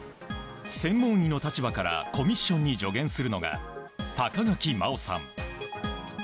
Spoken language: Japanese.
専門医の立場からコミッションに助言するのが高垣雅緒さん。